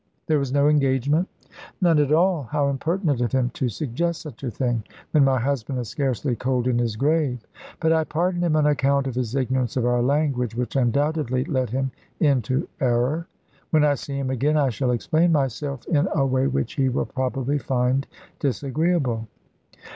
There was no engagement." "None at all. How impertinent of him to suggest such a thing, when my husband is scarcely cold in his grave! But I pardon him on account of his ignorance of our language, which undoubtedly led him into error. When I see him again I shall explain myself in a way which he will probably find disagreeable."